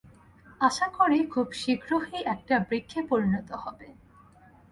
আশা করি খুব শীঘ্রই এটা বৃক্ষে পরিণত হবে।